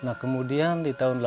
jadi setelah datang ke daun lontar